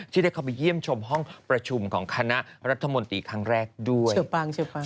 ที่ได้เข้าไปเยี่ยมชมห้องประชุมของคณะรัฐมนตรีครั้งแรกด้วย